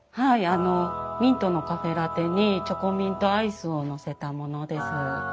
あのミントのカフェラテにチョコミントアイスを載せたものです。